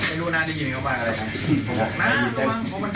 ไอ้ลูกน้าได้ยินเขาบ้าง